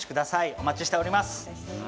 お待ちしております。